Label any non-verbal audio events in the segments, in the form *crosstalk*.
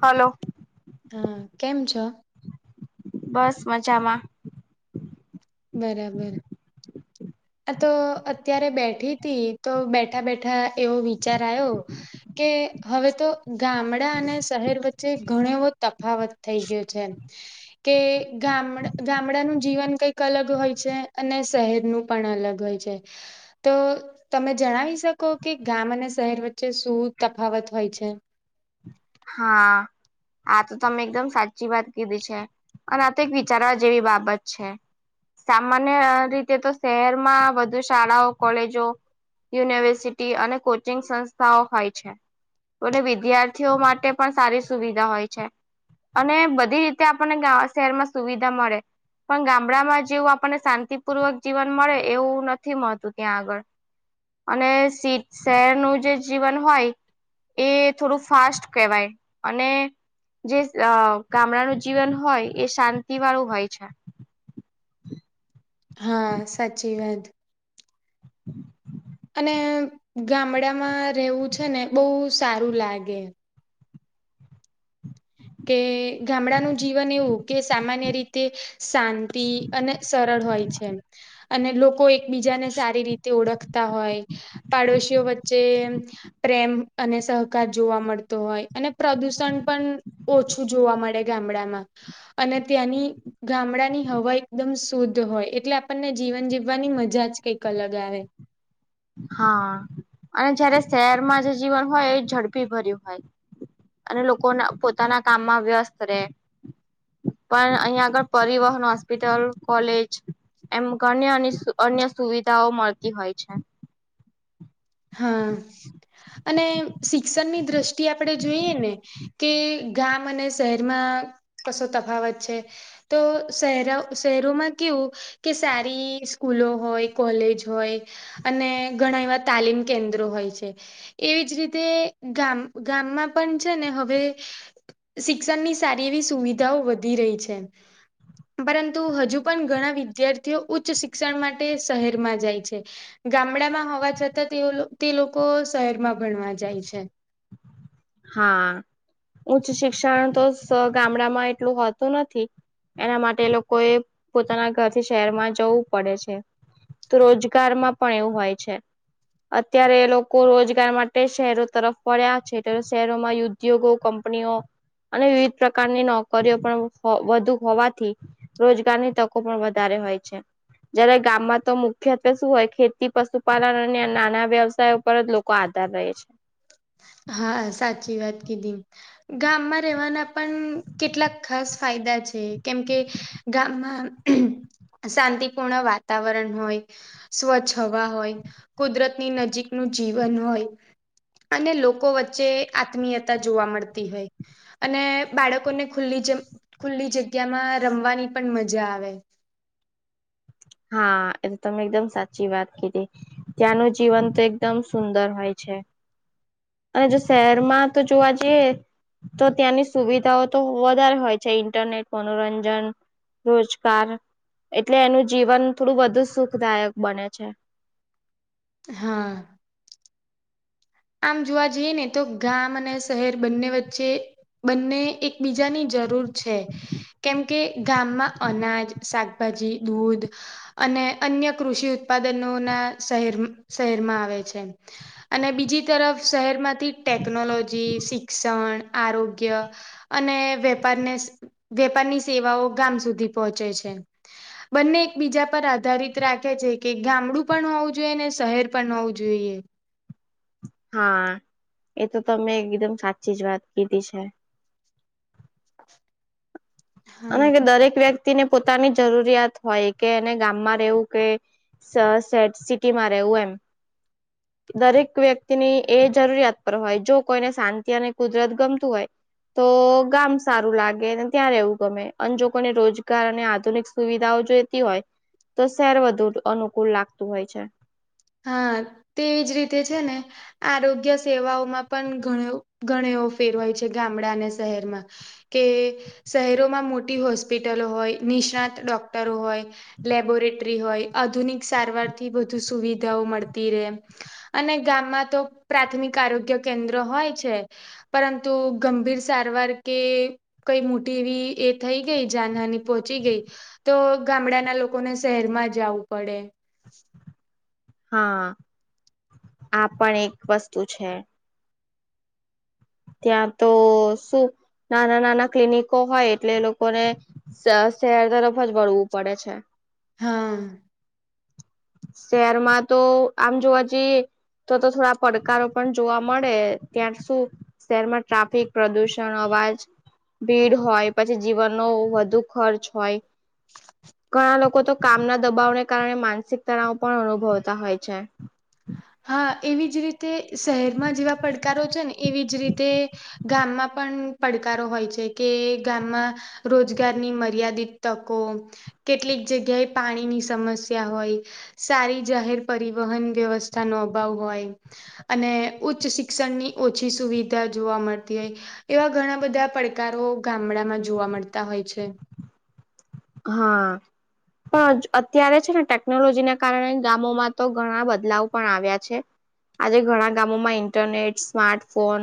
Hello. હા, કેમ છો? બસ મજામાં. બરાબર. આ તો અત્યારે બેઠી હતી તો બેઠા બેઠા એવો વિચાર આવ્યો. કે હવે તો ગામડા અને શહેર વચ્ચે જે ઘણો એવો તફાવત થઈ ગયો છે એમ. કે ગામડ ગામડાનું જીવન કંઈક અલગ હોય છે, અને શહેરનું. પણ અલગ હોય છે. તો તમે જણાવી શકો કે ગામ અને શહેર વચ્ચે શું તફાવત હોય છે? હા. આ તો તમે એકદમ સાચી વાત કીધી છે. અને આ તો એક વિચારવા જેવી બાબત છે. સામાન્ય રીતે તો શહેરમાં વધુ શાળાઓ, કોલેજો યુનિવર્સિટી અને કોચિંગ સંસ્થાઓ હોય છે. અને વિદ્યાર્થીઓ માટ ટે પણ સારી સુવિધા હોય છે. અને બધી રીતે આપણને ગા શહેરમાં સુવિધા મળે. પન ગામડામાં જેવું આપણને શાંતિપૂર્વક જીવન મળે એવું નથી મળતું ત્યાં આગળ. અને સિટ શહેર નું જે જીવન હોય એ થોડું ફાસ્ટ કહેવાય. અને જે સ અહ ગામડાનું જીવન હોય એ શાંતિ વાળું હોય છે. હા સાચી વાત. અને ગામડામાં રહેવું છે ને બહુ સારું લાગે. કે ગામડાનું જીવન એવું, કે સામાન્ય રીત તે શાંતિ અને સરળ હોય છે. અને લોકો એક બીજાને સારી રીતે ઓળખતા હોય, પાડોશીઓ વચ્ચે પ્રેમ અને સહકાર જોવા મળતો હોય. અને પ્રદુષણ પણ ઓછું જોવા મળે ગામડામાં. અને ત્યાંની ગામડા ની હવા એકદમ શુદ્ધ હોય. એટલે આપણને જીવન જીવવાની મજા જ કંઈક અલગ આવે. હા. અને જયારે શહેરમાં જે જીવન હોય એ ઝડપી ભર્યું હોય. અને લોકોના પોતાના કામમાં વ્યસ્ત રહેે. પણ અહીયાં આગળ પરિવહન હોસ્પિટલ કોલેજ એમ ઘની અન્ય અન્ય સુવિધાઓ મળતી હોય છે. હા. અને શિક્ષણની દ્રષ્ટિ આપણે જોઈએ ને કે ગામ અને શહેરમાં કશો તફાવત છે તો શહેરા શહેરોમાં કેવું કે સારી સ્કૂલો હોય, કોલેજ હોય, અને ઘણા એવા તાલીમ કેન્દ્રો હોય છે. એવી જ રીતે ગામ-ગામમાં પણ છે ને હવે શિક્ષણની સારી એવી સુવિધાઓ વધી રહી છે. પરંતુ હજુ પણ ઘણા વિદ્યાર્થીઓ ઉચ્ચ શિક્ષણ માટે શહેરમાં જાય છે. ગામડામાં હોવા છતાં તેઓ તે લોકો શહેરમાં ભણવા જાય છે. હા. ઉચ્ચ શિક્ષણ તો ગામડામાં એટલું હોતું નથી એના માટે લોકોએ પોતાના ઘરથી શહેરમાં જવું પડે છે. તો રોજગારમાં પણ એવું હોય છે. અત્યારે લોકો રોજગાર માટે શહેરો તરફ વળ્યા છે *unintelligible* શહેરોમાં ઉદ્યોગો, કંપનીઓ અને વિવિધ પ્રકારની નોકરીઓ પણ વધુ હોવાથી રોજગારની તકો પણ વધારે હોય છે. જયારે ગામમાં તો મુખ્યત્વે શું હોય? ખેતી, પશુપાલન અને નાના વ્યવસાય ઉપર જ લોક કો આધાર રહે છે. હા સાચી વાત કીધી. ગામમાં રહેવાના પણ કેટલાક ખાસ ફાયદા છે. કેમ કે ગામમાં શાંતિપૂર્ણ વાતાવરણ હોય. સ્વચ્છ હવા હોય, કુદરતની નજીક નું જીવન હોય, અને લોકો લોકો વચ્ચે આત્મીયતા જોવા મળતી હોય. અને બાળકોને ખુલ્લી ખુલ્લી જગ્યામાં રમવાની પણ મજા આવે. હા, એ તો તમે એકદમ સાચી વાત કીધી. ત્યાં નું તો એકદમ સુંદર છે. અને જો શહેરમાં તો જોવા જઈએ. તો ત્યાંની સુવિધાઓ તો વધારે હોય છે, ઇન્ટરનેટ, મનોરંજન રોજગાર એટલે એનું જીવન સુખદાયક બને છે. હા. આમ જોવા જઈએ ને, તો શહેર બંને વચ્ચે બંને એકબીજાની જરૂર છે. કેમ કે, ગામમાં અનાજ, શાકભાજી, દૂધ અને અન્ય કૃષિ ઉત્પાદનો ના શહેર શહેરમાં આવે છે. અને બીજી તરફ શહેરમાંથી ટેકનોલોજી, શિક્ષણ આરોગ્ય અને વેપારને વેપારની સેવાઓ ગામ સુધી પહોંચે છે. બંને એક બીજા પર આધારિત રાખે છે કે, ગામડું પણ હોવું જોઈએ ને, શહેર પણ હોવું જોઈએ. હા, એ તો તમે એકદમ સાચી જ વાત કીધી છે. *unintelligible* અને હા કે દરેક વ્યક્તિને પોતાની જરૂરિયાત હોય કે, એને ગામમાં રહેવું કે સ સેટ સિટીમાં રહેવું એમ. *inaudible* દરેક વ્યક્તિની એ જરૂરિયાત પર હોય, જો કોઈને શાંતિ અને કુદરત ગમતું હોય. તો ગામ સારું લાગે, ત્યાં રહેવું. ગમે અનજોગને રોજગાર અને આધુનિક સુવિધાઓ જોતી હોય. તો શેર વધુ અનુકૂળ લાગતું હોય છે. હા, તેવી જ રીતે છે ને. આરોગ્ય સેવાઓમાં ઘણ ફેરવાય છે, ગામડા અને શહેરમાં. કે શહેરોમાં મોટી હોસ્પિટલો હોય, નિષ્ણાત ડોક્ટરો હોય. લેબોરેટરી હોય, આધુનિક સારવારથી વધુ સુવિધાઓ મળતી રે. અને ગામમાં તો પ્રાથમિક આરોગ્ય કેન્દ્ર હોય છે. પરંતુ ગંભીર સારવાર કે કઈ મોટી એવી એ થઈ ગઈ જાનહાની પોહોંચી ગઈ. તો ગામડાના લોકોને શહેરમાં જાવું પડે. હા, આ પણ એક વસ્તુ છે. ત્યાં તો શું નાના-નાના ક્લિનિકો હોય, એટલે એ લોકોને શહેર તરફ જ વળવું પડે છે. હા. શહેરમાં તો આમ જોવા જઈએ. તો તો થોડા પડકારો પણ જોવા મળે, ત્યાં શું? શહેરમાં ટ્રાફિક પ્રદુષણ, અવાજ. ભીડ હોય, પછી જીવનનો વધુ ખર્ચ હોય, ઘણા લોકો તો કામના દબાવને કારણે માનસિક તણાવ પણ અનુભવતા હોય છે. હા, એવી જ રીતે શહેરમાં જેવા પડકારો છે ને, એવી જ રીતે. ગામમાં પણ પડકારો હોય છે કે ગામમાં રોજગારની મર્યાદિત તકો કેટલીક જગ્યાએ પાણી સમસ્યા હોય સારી જાહેર પરિવહન વ્યવસ્થા નો અભાવ હોય અને ઉચ્ચ શિક્ષણની ઓછી સુવિધા જોવા મળતી હોય. એવા ઘણા બધા પડકારો ગામડામાં જોવા મળતા હોય છે. હા. હા અત્યારે છે ને ટેકનોલોજીના કારણે ગામોમાં તો ઘણા બદલાવ પણ આવ્યા છે. આજે ઘણા ગામોમાં ઇન્ટરનેટ સ્માર્ટફોન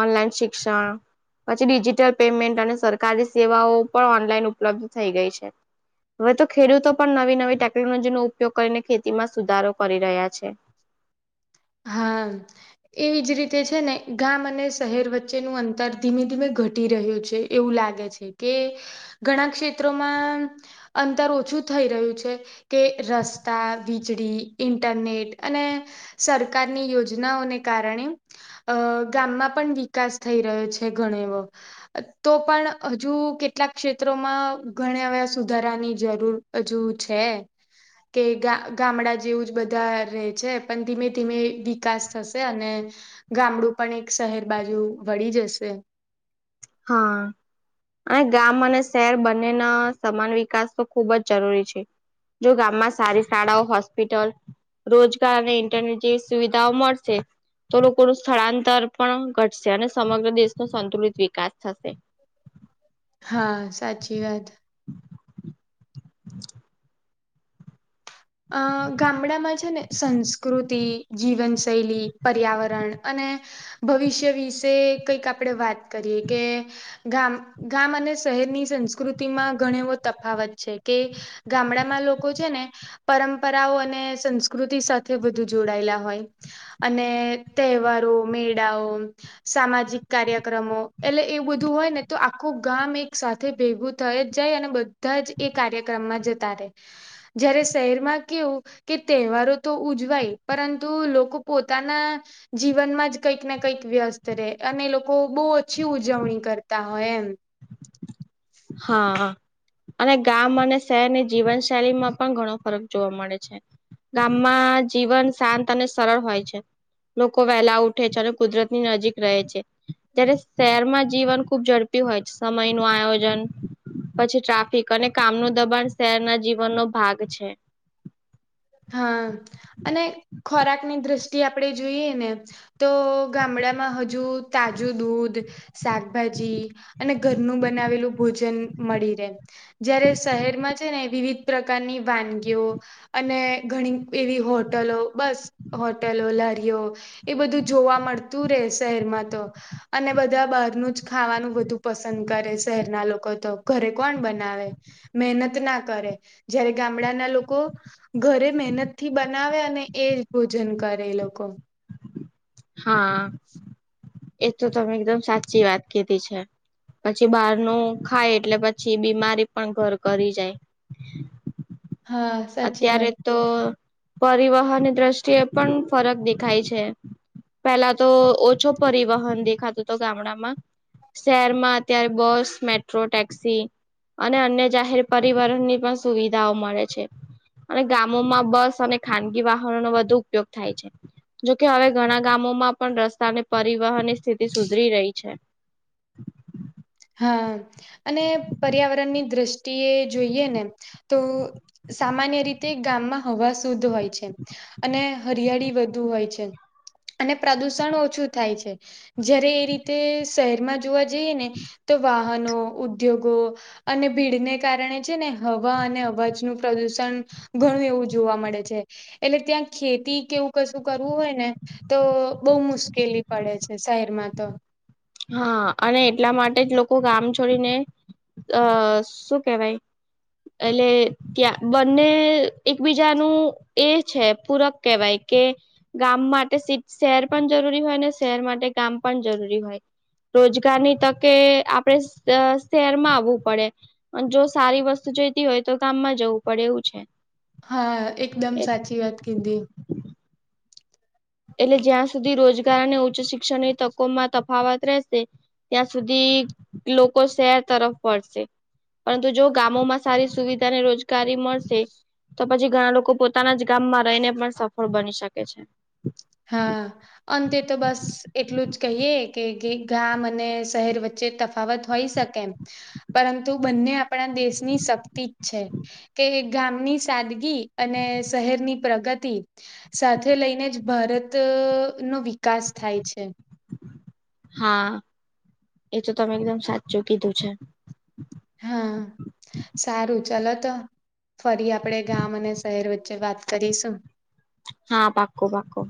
ઓનલાઈન શિક્ષણ પછી ડિજિટલ પેમેન્ટ અને સરકારી સેવાઓ પણ ઓનલાઈન ઉપલબ્ધ થઈ ગઈ છે. હવે તો ખેડૂતો પણ નવી નવી ટેકનોલોજીનો ઉપયોગ કરીને ખેતીમાં સુધારો કરી રહ્યા છે. હા એવી જ રીતે છે ને ગામ અને શહેર વચ્ચેનું અંતર ધીમે ધીમે ઘટી રહ્યું છે. એવું લાગે છે કે ઘણા શેત્રોમાં અંતર ઓછું થઈ રહ્યું છે. કે રસ્તા વીજળી ઇન્ટરનેટ અને સરકારની યોજનાઓને કારણે અ ગામમાં પણ વિકાસ થઈ રહ્યો છે ઘણો એવો તો પણ હજુ કેટલાક ક્ષેત્રોમાં ઘણા ય સુધારાની જરૂર છે. હજુ છે કે ગામડા જેવું જ બધા રહે છે પણ ધીમે ધીમે વિકાસ થશે અને ગામડું પણ એક શહેર બાજુ વળી જશે હા. અને ગામ અને શહેર બંનેના સમાન વિકાસ તો ખુબ જ જરૂરી છે. જો ગામમાં સારી શાળાઓ હોસ્પિટલ રોજગાર અને ઈન્ટરનેટ જેવી સુવિધાઓ મળશે તો લોકોનું સ્થળાંતર પણ ઘટશે અને સમગ્ર દેશનો સંતુલિત વિકાસ થશે હા સાચી વાત અ ગામડામાં છે ને સંસ્કૃતિ જીવનશૈલી પર્યાવરણ અને ભવિષ્ય વિશે કઈક આપણે વાત કરીએ કે ગામ ગામ અને શહેરની સંસ્કૃતિમાં ઘણ એવો તફાવત છે કે ગામડામાં લોકો છે ને. પરંપરાઓ અને સંસ્કૃતિ સાથે વધુ જોડાયેલા હોય. અને તહેવારો, મેળાઓ. સામાજિક કાર્યક્રમો એટલે એ બધું હોય ને તો આખું ગામ એક સાથે તે ભેગું થઈ જ જાય અને બધા જ એ કાર્યક્રમમાં જતા રહે જ્યારે સ શહેરમાં કેવું કે તહેવારોતો ઉજવાય પરંતુ લોકો પોતાના જીવનમાં જ કંઈક ને કંઈક વ્યસ્ત રહે અને લોકો બહુ ઓછી ઉજવણી કરતા હોય એમ હા હા. અને ગામ અને શહેરની જીવનશૈલીમાં પણ ઘણો ફરક જોવા મળે છે. ગામમાં જીવન શાંત અને સરળ હોય છે. લોકો વહેલા ઉઠે છે અને કુદરતની નજીક રહે જયારે શહેરમાં જીવન ખુબ ઝડપી હોય છે સમય નું આયોજન પછી ટ્રાફિક અને કામનું દબાણ શહેરના જીવનનો ભાગ છે. હા અને ખોરાકની દ્રષ્ટિએ આપણે જોઈએ ને તો ગામડામાં હજુ તાજું દૂધ શાકભાજી અને ઘરનું બનાવેલું ભોજન મળી રહે. જયારે શહેરમાં છે ને વિવિધ પ્રકારની વાનગીઓ અને ઘણી એવી હોટલો બસ હોટેલો, લારીઓ એ બધું જોવા મળતું રે શહેરમાં તો. અને બધા બહારનું જ ખાવાનું બધું પસંદ કરે શહેરના લોકો તો ઘરે કોણ બનાવે? મહેનત ના કરે જ્યારે ગામડાના લોકો ઘરે મહેનત થી બનાવે અને એ ભોજન કરે એ લોકો. હા એ તો તમે એકદમ સાચી વાત કીધી છે. પછી બહારનું ખાય એટલે પછી બીમારી પણ ઘર કરી જાય. હા. સાચી અત્યારે વાત. તો પરિવહનની દ્રષ્ટિએ પણ ફરક દેખાય છે. પેલા તો ઓછું પરિવહન દેખાતું તો ગામડામાં. શહેરમાં અત્યારે બસ, મેટ્રો, ટેક્સી અને અન્ય જાહેર પરિવહન ની પણ સુવિધાઓ મળે છે. અને ગામોમાં બસ અને ખાનગી વાહનો નો વધુ ઉપયોગ થાય છે. જોકે હવે ઘણા ગામોમાં પણ રસ્તા ને પરિવહનની સ્થિતિ સુધરી રહી છે. હા અને પર્યાવરણની દ્રષ્ટિએ જોઈએને તો સામાન્ય રીત તે ગામમાં હવા શુદ્ધ હોય છે અને હરિયાળી વધુ હોય છે. અને પ્રદુષણ ઓછું થાય છે, જ્યારે એ રીતે શહેરમાં જોવા જઈએ ને તો વાહનો, ઉદ્યોગો અને ભીડને કારણે છે ને હવા અને અવાજનુ પ્રદુષણ ઘણું એવું જોવા મળે છે. એટલે ત્યાં ખેતી કે એવું કશું કરવું હોય ને તો બવ મુશ્કેલી પડે છે શહેરમાં તો. હા અને એટલા માટે જ લોકો ગામ છોડીને અ શું કેહેવાય. એટલે ત્યાં બંને એકબીજાનું એ છે પૂરક કેહેવાય કે ગામ માટે સીટ-શહેર પણ જરૂરી હોય ને શહેર માટે ગામ પણ જરૂરી હોય. રોજગારની તકે આપડે શ-શહેરમાં આવવું પડે. અને જો સારી વસ્તુ જોઇતી હોય તો ગામમાં જવું પડે એવું છે. હા, એકદમ સાચી વાત કીધી. એટલે જ્યાં સુધી રોજગાર અને ઉચ્ચ શિખણએ તકોમાં તફાવત રહેશે. ત્યાં સુધી લોકો શહેર તરફ વળશે. પરંતુ જો ગામોમાં સારી સુવિધાને રોજગારી મળશે. તો પછી ઘણા લોકો પોતાના જ ગામમાં રહીને પણ સફળ બની શકે છે. હા અંતે તો બસ એટલું જ કહીએ કે એક ગામ અને શહેર વચ્ચે તફાવત હોય શકે એમ. પરંતુ બંને આપણા દેશની શક્તિ જ છે કે એક ગામની સાદગી અને શહેરની પ્રગતિ સાથે લઈને જ ભારત નો વિકાસ થાય છે. હા, એ તો તમે એકદમ સાચું કીધું છે. હા. સારું ચાલ તો ફરી આપડે ગામ અને શહેર વચ્ચે વાત કરીશું. હા પાકો પાકો.